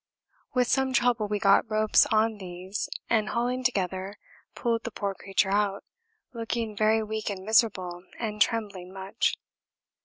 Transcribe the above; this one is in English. With some trouble we got ropes on these, and hauling together pulled the poor creature out looking very weak and miserable and trembling much.